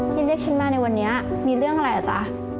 ที่เรียกฉันมาในวันนี้มีเรื่องอะไรอ่ะจ๊ะ